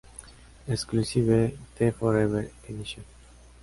Exclusive: The Forever Edition